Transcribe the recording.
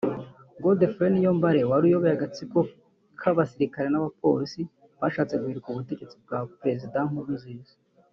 Godefroid Niyombare wari uyoboye agatsiko k’abasirikare n’abapolisi bashatse guhirika ubutegetsi bwa Perezida Nkurunziza